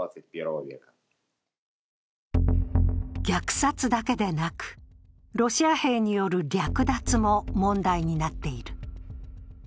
虐殺だけでなく、ロシア兵による略奪も問題になっている。